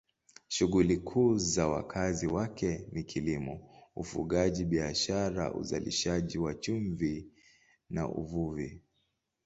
Shughuli kuu za wakazi wake ni kilimo, ufugaji, biashara, uzalishaji wa chumvi na uvuvi.